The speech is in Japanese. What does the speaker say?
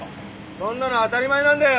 そんなの当たり前なんだよ。